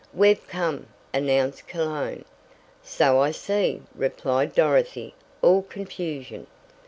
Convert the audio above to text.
"We've come!" announced Cologne. "So I see," replied Dorothy, all confusion.